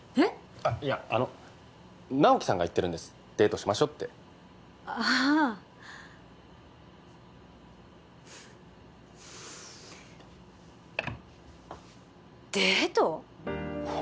あいやあの直木さんが言ってるんですデートしましょってああデートォ？